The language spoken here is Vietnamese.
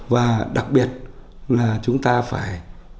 và đặc biệt là chúng ta phải